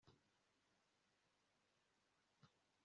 umuyobozi wa komisiyo duties